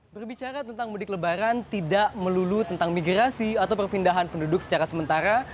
berbicara tentang mudik lebaran tidak melulu tentang migrasi atau perpindahan penduduk secara sementara